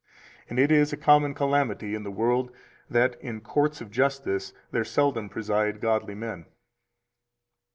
And it is a common calamity in the world that in courts of justice there seldom preside godly men.